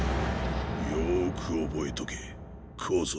よく覚えとけ小僧。